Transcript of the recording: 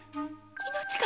命が？